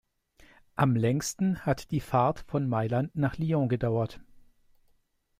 Am längsten hat die Fahrt von Mailand nach Lyon gedauert.